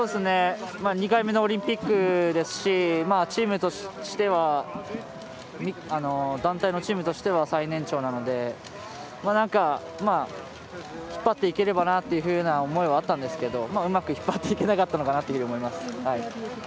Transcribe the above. ２回目のオリンピックですしチームとしては団体のチームとしては最年長なので何か、引っ張っていければなという思いはあったんですがうまく引っ張っていけなかったのかなというふうに思います。